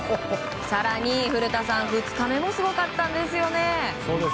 更に古田さん、２日目もすごかったんですよね。